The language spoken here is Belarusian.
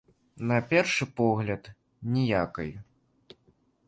На першы погляд, ніякай.